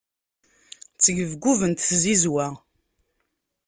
Ttgebgubent tzizwa.